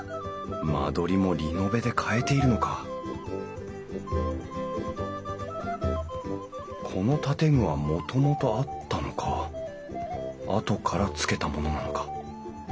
間取りもリノベで変えているのかこの建具はもともとあったのかあとからつけたものなのか？